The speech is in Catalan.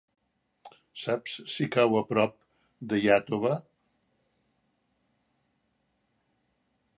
Saps si cau a prop d'Iàtova?